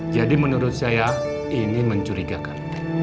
jadi menurut saya ini mencurigakan